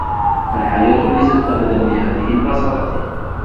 الحياة ليست أبدا بهذه البساطة.